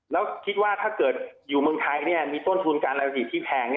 แล้วคิดว่าถ้าเกิดอยู่เมืองไทยมีต้นทุนการอะไรดีที่แพง